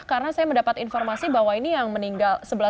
karena saya mendapat informasi bahwa ini yang meninggal